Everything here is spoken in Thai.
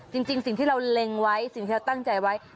จริงสิ่งที่เราเล็งไว้สิ่งที่เราตั้งใจไว้